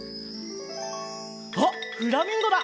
あっフラミンゴだ！